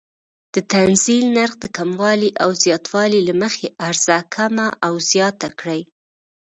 د تنزیل نرخ د کموالي او زیاتوالي له مخې عرضه کمه او زیاته کړي.